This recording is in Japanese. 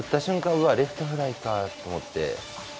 うわ、レフトフライかと思って。